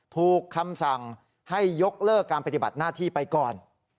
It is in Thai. ถูกคำสั่งให้ยกเลิกการปฏิบัติหน้าที่ไปก่อน